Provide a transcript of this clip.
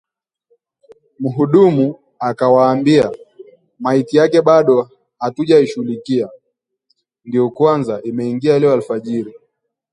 ” Muhudumu akawaambia, “ maiti yake bado hatujaishughulikia, ndio kwanza imeingia leo alfajiri